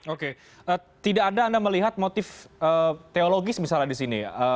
oke tidak ada anda melihat motif teologis misalnya di sini